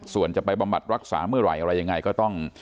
ส่วนจะไปบำบัดรักษาเมื่อไหร่อะไรยังไงก็ต้อง